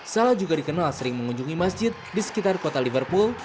salah juga dikenal sering mengunjungi masjid di sekitar kota liverpool